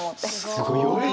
すごいね！